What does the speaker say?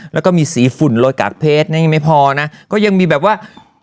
แล้วก็มีสีฝุ่นโรยกากเพชรยังไม่พอนะก็ยังมีแบบว่า